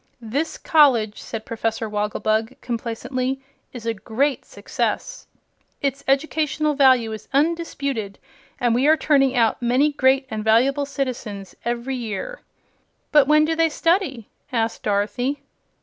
"This college," said Professor Wogglebug, complacently, "is a great success. Its educational value is undisputed, and we are turning out many great and valuable citizens every year." "But when do they study?" asked Dorothy.